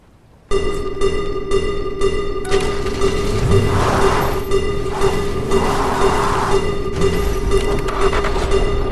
A baritone male voice-over announcer provided the verbalized slogan.